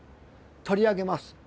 取り上げます。